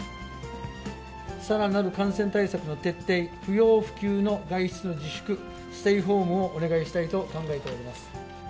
さらなる感染対策の徹底、不要不急の外出の自粛、ステイホームをお願いしたいと考えております。